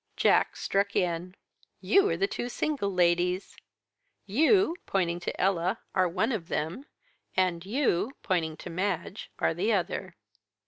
'" Jack struck in. "You are the two single ladies. You," pointing to Ella, "are one of them, and you," pointing to Madge, "are the other."